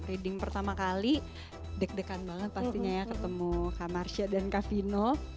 reading pertama kali deg degan banget pastinya ya ketemu kak marsha dan kak vino